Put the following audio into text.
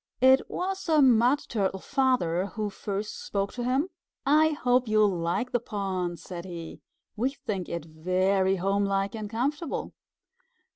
It was a Mud Turtle Father who first spoke to him. "I hope you'll like the pond," said he. "We think it very homelike and comfortable."